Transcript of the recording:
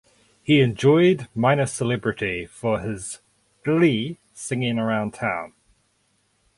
He enjoyed minor celebrity for his ‘glee’ singing around town.